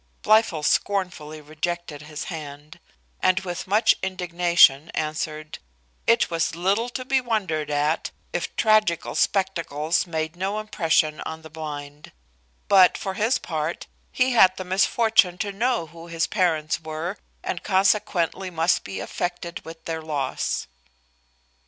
Blifil scornfully rejected his hand; and with much indignation answered, "It was little to be wondered at, if tragical spectacles made no impression on the blind; but, for his part, he had the misfortune to know who his parents were, and consequently must be affected with their loss."